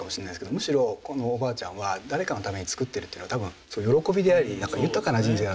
むしろこのおばあちゃんは誰かのために作っているっていうのは多分喜びであり豊かな人生だと思うんですよね。